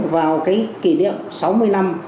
vào cái kỷ niệm sáu mươi năm